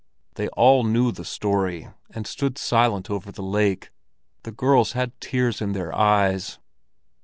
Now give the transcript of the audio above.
They all knew the story, and stood silent over the lake; the girls had tears in their eyes.